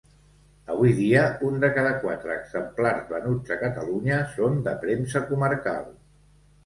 Avui dia, un de cada quatre exemplars venuts a Catalunya són de Premsa Comarcal.